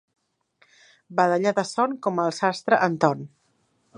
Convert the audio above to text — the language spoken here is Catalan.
Badallar de son, com el sastre Anton.